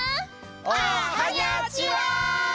おはにゃちは！